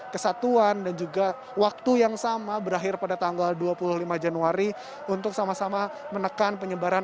kesatuan dan juga waktu yang sama berakhir pada tanggal dua puluh lima januari untuk sama sama menekan penyebaran